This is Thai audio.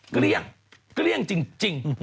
ก็เลี่ยงก็เลี่ยงจริง